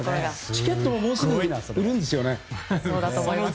チケットももうすぐ売るんですよね。